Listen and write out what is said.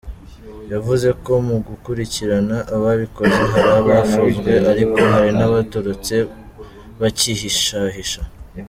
Yavuze ko mu gukurikirana ababikoze hari abafunzwe, ariko hari n’abatorotse bacyihishahisha.